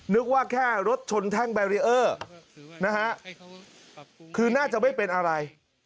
นึกว่าแค่รถชนแท่งแบรีเออร์นะฮะคือน่าจะไม่เป็นอะไร